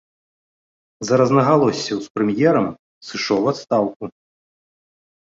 З-за рознагалоссяў з прэм'ерам сышоў у адстаўку.